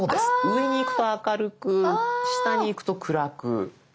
上にいくと明るく下にいくと暗く。